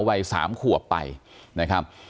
วัย๓ขวบไปนะครับ